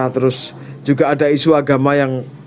terus juga ada isu agama yang